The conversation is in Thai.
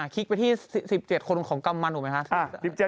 คิกไปที่๑๗คนของกำมันถูกไหมคะ